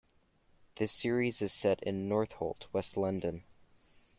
The series is set in Northolt, West London.